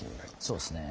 そうですね